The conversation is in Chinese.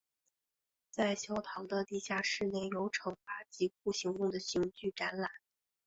在小堂的地下室内有惩罚及酷刑用的刑具展览。